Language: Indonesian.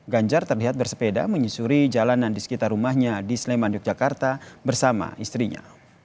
ganjar terlihat bersepeda menyusuri jalanan di sekitar rumahnya di sleman yogyakarta bersama istrinya